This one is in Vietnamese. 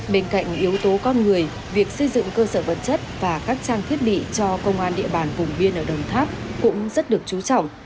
bên cạnh yếu tố con người việc xây dựng cơ sở vật chất và các trang thiết bị cho công an địa bàn vùng biên ở đồng tháp cũng rất được trú trọng